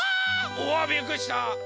おわっびっくりした！